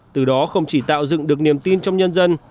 từ đó không chỉ tạo dựng được niềm tin trong nhân dân